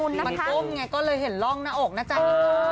มันก้มไงก็เลยเห็นร่องหน้าอกหน้าใจ